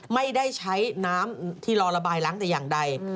ไม่ได้ใช้น้ำที่รอระบายล้างแต่อย่างใด